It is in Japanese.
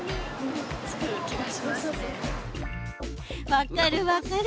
分かる分かる。